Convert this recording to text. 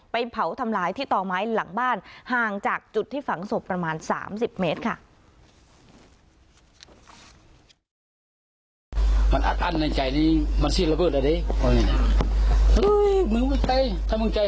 เผาทำลายที่ต่อไม้หลังบ้านห่างจากจุดที่ฝังศพประมาณ๓๐เมตรค่ะ